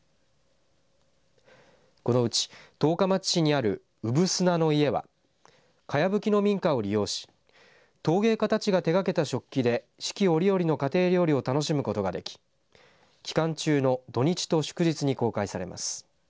このうち十日町市にあるうぶすなの家はかやぶきの民家を利用し陶芸家たちが手がけた食器で四季折々の家庭料理を楽しむことができ期間中の土日と祝日に公開されます。